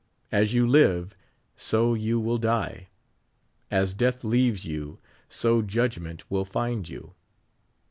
As you live, so you will die ; as death leaves you, so Judgment will find you.